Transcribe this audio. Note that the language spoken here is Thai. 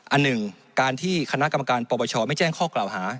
อันหนึ่งการที่คณะกรรมการปปชไม่แจ้งข้อกล่าวหา